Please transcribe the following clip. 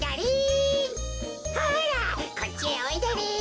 ほらこっちへおいでリン。